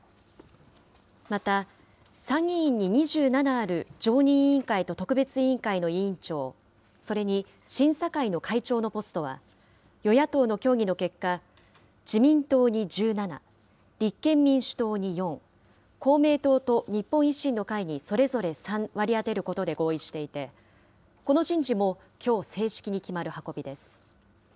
また参議院に２７ある常任委員会と特別委員会の委員長、それに審査会の会長のポストは、与野党の協議の結果、自民党に１７、立憲民主党に４、公明党と日本維新の会にそれぞれ３、割り当てることで合意していて、この人事もきょう、正式に決まる運びです。